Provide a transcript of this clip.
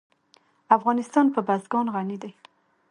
افغانستان په بزګان غني دی.